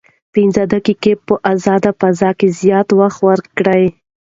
پنځه دقیقې په ازاده فضا کې زیات وخت ورکړئ.